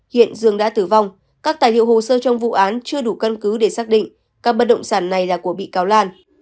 hiện dương đã tử vong các tài liệu hồ sơ trong vụ án chưa đủ căn cứ để xác định các bất động sản này là của bị cáo lan